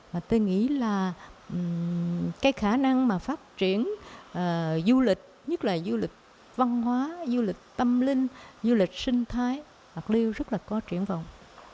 và tôi nghĩ là cái khả năng mà phát triển du lịch nhất là du lịch văn hóa du lịch tâm linh du lịch sinh thái bạc liêu rất là có triển vọng